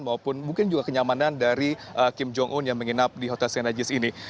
dan mungkin juga kenyamanan dari kim jong un yang menginap di hotel st regis ini